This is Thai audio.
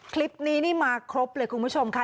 คลิปนี้นี่มาครบเลยคุณผู้ชมค่ะ